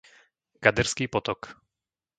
Gaderský potok